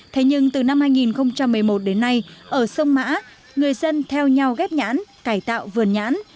thế nhưng từ năm hai nghìn một mươi một đến nay ở sông mã người dân theo nhau ghép nhãn cải tạo vườn nhãn